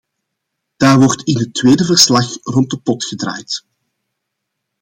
Daar wordt in het tweede verslag rond de pot gedraaid.